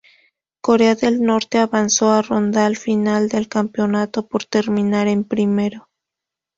Corea del Norte avanzó a la Ronda Final del campeonato por terminar en primero.